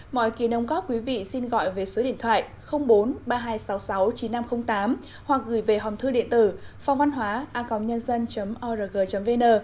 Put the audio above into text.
mọi kỳ nông góp quý vị xin gọi về số điện thoại bốn mươi ba nghìn hai trăm sáu mươi sáu chín nghìn năm trăm linh tám hoặc gửi về hòm thư điện tử phongvănhoaacomân dân org vn